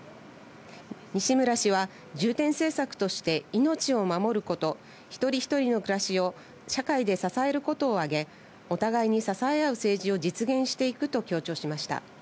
西村氏は重点政策として命を守ること、一人一人の暮らしを社会で支えることを挙げ、お互いに支え合う政治を実現していくと強調しました。